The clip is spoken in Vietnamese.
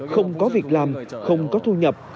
không có việc làm không có thu nhập